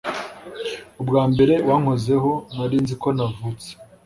Ubwa mbere wankozeho nari nzi ko navutse